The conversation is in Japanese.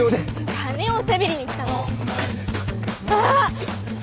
金をせびりに来たの。あっ。かか。